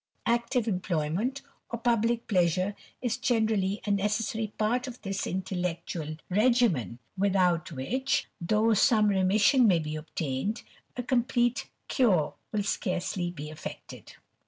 Active employment or publick pleasure is generally a necessary part of this intellectual ^ 124 THE RAMBLER. regimen, without which, though some remission maj be obtained, a complete cure will scarcely be effected.